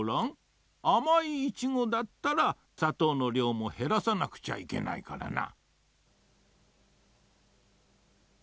あまいイチゴだったらさとうのりょうもへらさなくちゃいけないからな。